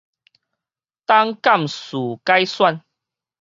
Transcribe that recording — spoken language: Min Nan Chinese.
董監事改選